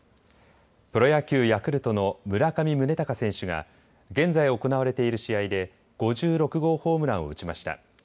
プロ野球、ヤクルトの村上宗隆選手が現在行われている試合で５６号ホームランを打ちました。